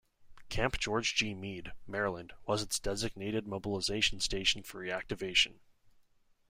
Camp George G. Meade, Maryland, was its designated mobilization station for reactivation.